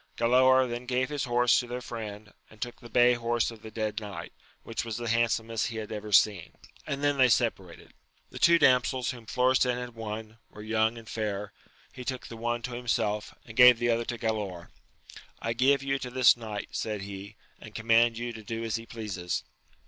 Galaor then gave his horse to their friend, and took the bay horse of the dead knight, which was the handsomest he had ever seen, and then they separated. The two damsels whom Florestan had won, were young and fair j he took the AMADIS OF GAUL, 247 one to himself, and gave the other to Galaor : I give you to this knight, said he, and command you to do as he pleases.